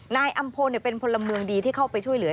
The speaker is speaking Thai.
นายอำพลเป็นพลเมืองดีที่เข้าไปช่วยเหลือ